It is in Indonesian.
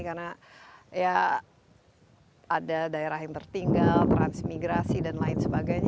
karena ya ada daerah yang tertinggal transmigrasi dan lain sebagainya